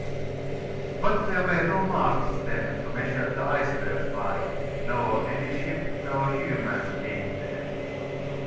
But there were no masts then to measure the icebergs by, nor any ship nor human being there.